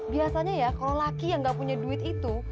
biasanya ya kalau laki yang gak punya duit itu